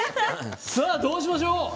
どうしましょう？